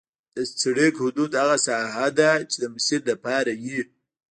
د سرک حدود هغه ساحه ده چې د مسیر لپاره وي